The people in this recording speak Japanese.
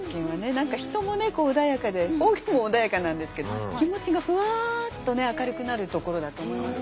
何か人もねこう穏やかで方言も穏やかなんですけど気持ちがフワッとね明るくなる所だと思います。